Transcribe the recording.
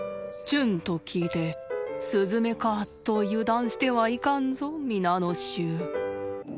「ちゅん」と聞いてスズメかと油断してはいかんぞ皆の衆。